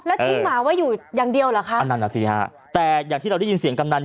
แล้วทิ้งหมาไว้อยู่อย่างเดียวเหรอคะอันนั้นอ่ะสิฮะแต่อย่างที่เราได้ยินเสียงกำนัน